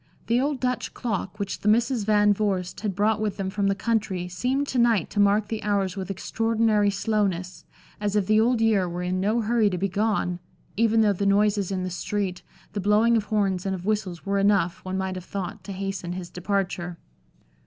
The old Dutch clock, which the Misses Van Vorst had brought with them from the country seemed to night to mark the hours with extraordinary slowness, as if the Old Year were in no hurry to be gone, even though the noises in the street, the blowing of horns and of whistles were enough, one might have thought, to hasten his departure.